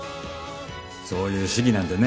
そういう主義なんでね。